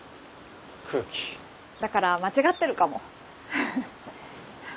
だから間違ってるかもフフ。